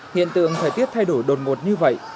hiện tượng thời tiết thay đổi đột ngột như vậy